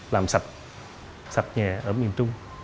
làm sạch nhà ở miền trung